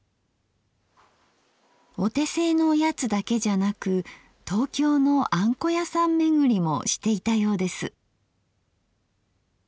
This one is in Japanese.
お手製のおやつだけじゃなく東京のあんこ屋さん巡りもしていたようです。